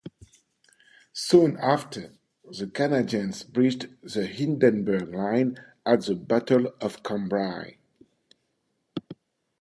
Soon after, the Canadians breached the Hindenburg Line at the Battle of Cambrai.